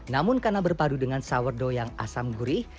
namun karena berpadu dengan sourdow yang asam gurih